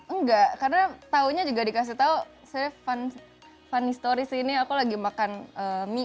enggak karena tahunya juga dikasih tahu sebenarnya funny story sih ini aku lagi makan mie